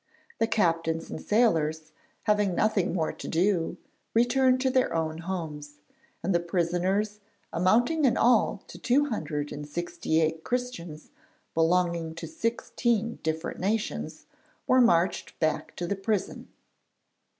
The captains and sailors, having nothing more to do, returned to their own homes; and the prisoners, amounting in all to two hundred and sixty eight Christians belonging to sixteen different nations, were marched back to the prison.